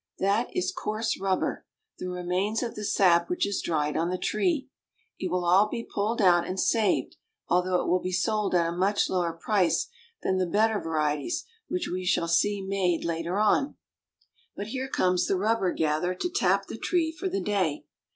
That is coarse rubber, the remains of the sap which has dried on the tree. It will all be pulled out and saved, although it will be sold at a much lower price than the better vari eties which we shall see made later on. But here comes the rubber gatherer to tap the tree for the day.